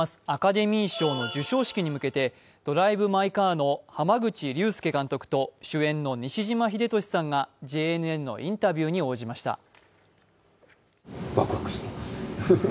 アカデミー賞の授賞式に向けて「ドライブ・マイ・カー」の濱口竜介監督と、主演の西島秀俊さんがＪＮＮのインタビューに応じました。